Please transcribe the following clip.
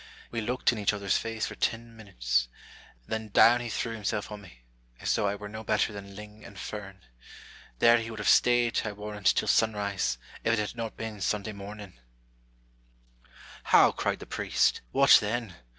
We looked in each other's face for ten minutes; then down he threw himself on me, as though I were no better than ling and fern. There he would have stayed, J warrant, till sunrise, if it had not been Sunday morning." 1 18 IMA GIN A R V CONFERS A TIONS. " How !" cried the priest. " What then